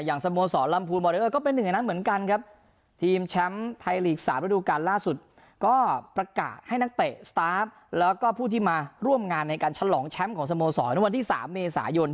อย่างสโมสรลำภูมิบอเดอร์ก็เป็นอย่างนั้นเหมือนกันครับ